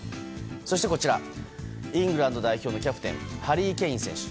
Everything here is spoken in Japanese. そして、イングランド代表のキャプテン、ハリー・ケイン選手。